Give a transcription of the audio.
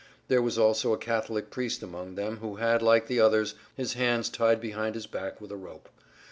There was also a Catholic priest among them who had, like the others, his hands tied behind his back with a rope.